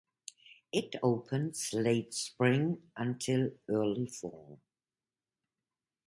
It opens late spring until early fall.